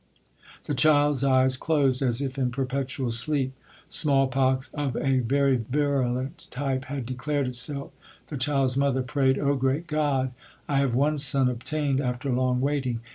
The child s eyes closed as if in perpetual sleep. Small pox of a very virulent type had declared itself. The child s mother prayed, O great God, I have one son obtained after long waiting.